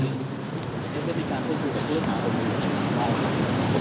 เตรียมไม่มีการควบคุมกับเลือดหาคนมีหรือครับ